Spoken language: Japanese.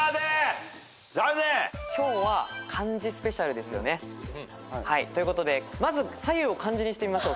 今日は漢字スペシャルですよね。ということでまず「さゆう」を漢字にしてみましょう。